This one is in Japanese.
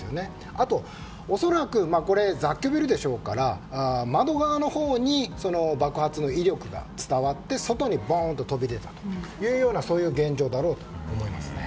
あと恐らく雑居ビルでしょうから窓側のほうに爆発の威力が伝わって外にボーンと飛び出たという現状だろうと思いますね。